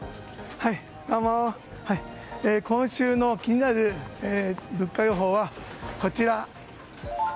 今週の気になる物価予報はこちら。